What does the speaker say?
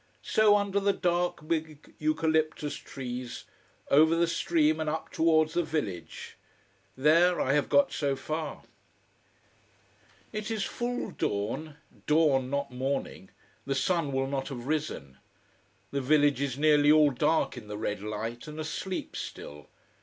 So under the dark, big eucalyptus trees, over the stream, and up towards the village. There, I have got so far. It is full dawn dawn, not morning, the sun will not have risen. The village is nearly all dark in the red light, and asleep still.